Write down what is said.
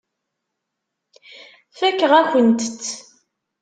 Fakeɣ-akent-t.